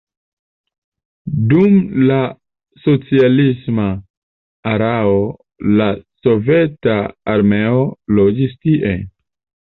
Dum la socialisma erao la soveta armeo loĝis tie.